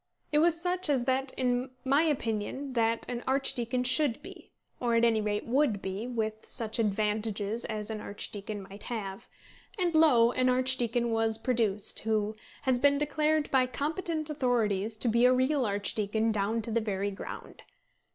It was such as that, in my opinion, that an archdeacon should be, or, at any rate, would be with such advantages as an archdeacon might have; and lo! an archdeacon was produced, who has been declared by competent authorities to be a real archdeacon down to the very ground.